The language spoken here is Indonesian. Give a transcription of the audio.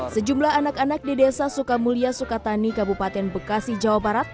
sejumlah anak anak di desa sukamulia sukatani kabupaten bekasi jawa barat